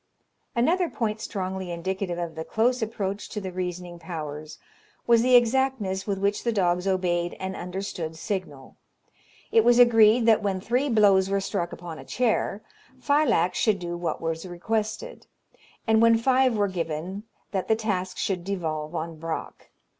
Another point strongly indicative of the close approach to the reasoning powers, was the exactness with which the dogs obeyed an understood signal. It was agreed that when three blows were struck upon a chair, Philax should do what was requested; and when five were given, that the task should devolve on Braque.